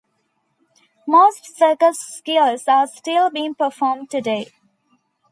Most circus skills are still being performed today.